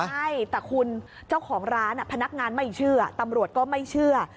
ใช่แต่คุณเจ้าของร้านพนักงานไม่เชื่อตำรวจก็ไม่เชื่อ